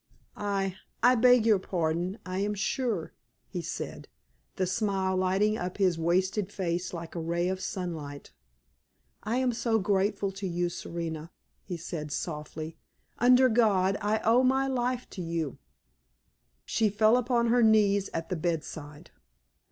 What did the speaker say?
"I I beg your pardon, I am sure," he said, the smile lighting up his wasted face like a ray of sunlight. "I am so grateful to you, Serena," he said, softly. "Under God, I owe my life to you." She fell upon her knees at the bedside.